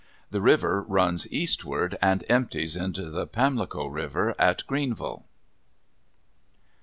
The river runs eastward and empties into the Pamlico river at Greenville.